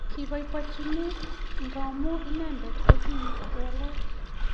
kiboboiyen ngamun inenedet ko kiip walet